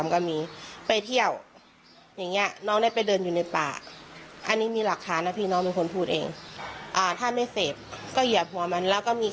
ก่อนหน้านี้ก็มี